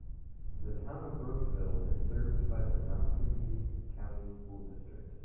The town of Brooksville is served by the Noxubee County School District.